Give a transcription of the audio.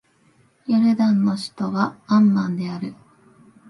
ヨルダンの首都はアンマンである